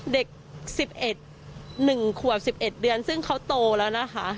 เด็ก๑๑ขวบ๑๑เดือนซึ่งเขาโตแล้วนะคะ